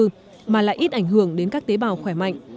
không thể ảnh hưởng đến các tế bào khỏe mạnh